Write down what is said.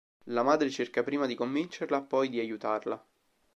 La madre cerca prima di convincerla, poi di aiutarla.